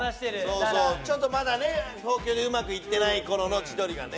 そうそうちょっとまだね東京でうまくいってない頃の千鳥がね。